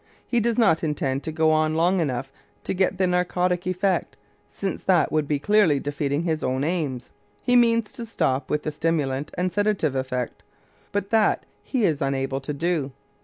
He does not intend to go on long enough to get the narcotic effect, since that would be clearly defeating his own aims; he means to stop with the stimulant and sedative effect, but that he is unable to do.